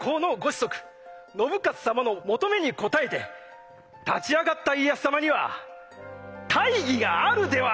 子息信雄様の求めに応えて立ち上がった家康様には大義があるではございませんか！